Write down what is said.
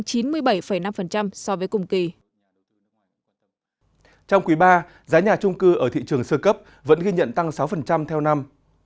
trong quý ba giá nhà trung cư ở thị trường sơ cấp vẫn ghi nhận tăng sáu theo năm